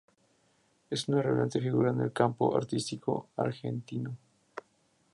Es una relevante figura en el campo artístico argentino.